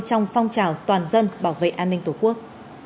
trong phong trào toàn dân bảo vệ an ninh tổ quốc